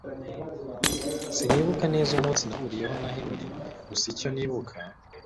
Sinibuka neza umunsi nahuriyeho na Henry gusa icyo nibuka